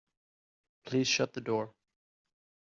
Please shut the door.